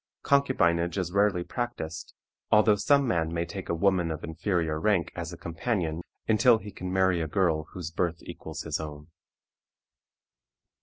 Concubinage is rarely practiced, although some man may take a woman of inferior rank as a companion until he can marry a girl whose birth equals his own.